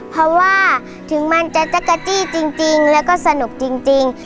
เพราะว่าถึงมันจะจักรจี้จริงแล้วก็สนุกจริง